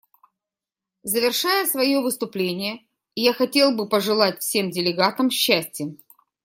Завершая свое выступление, я хотел бы пожелать всем делегатам счастья.